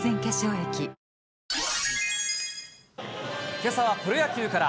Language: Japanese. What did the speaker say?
けさはプロ野球から。